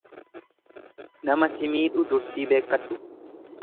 Nama si miidhu dursii beekkadhu.